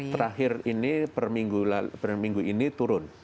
terakhir ini per minggu ini turun